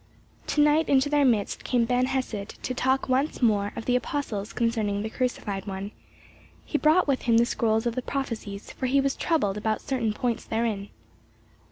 To night into their midst came Ben Hesed, to talk once more with the apostles concerning the Crucified One. He brought with him the scrolls of the Prophecies, for he was troubled about certain points therein.